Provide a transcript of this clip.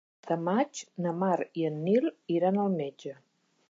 El vint-i-tres de maig na Mar i en Nil iran al metge.